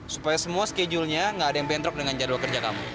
supaya semua schedule nya gak ada yang bentrok dengan jadwal kerja kamu